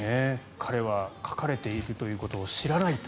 彼はかかれているということを知らないと。